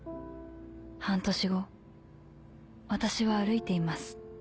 半年後私は歩いています。